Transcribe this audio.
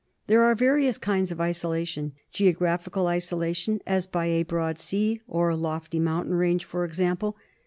There are various kinds of isolation. Geographical isolation, as by a broad sea or lofty mountain range, for example.